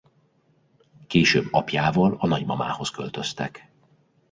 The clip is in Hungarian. Később apjával a nagymamához költöztek.